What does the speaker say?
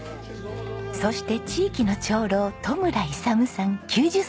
そして地域の長老戸村勇さん９０歳です。